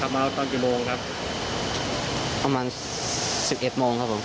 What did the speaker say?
เมาตอนกี่โมงครับประมาณสิบเอ็ดโมงครับผม